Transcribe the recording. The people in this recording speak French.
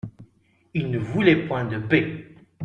Il ne voulait point de paix.